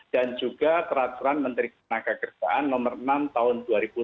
dan juga peraturan menteri ketenaga kerjaan nomor enam tahun dua ribu enam belas